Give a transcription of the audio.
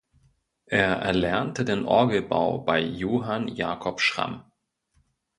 Er erlernte den Orgelbau bei Johann Jacob Schramm.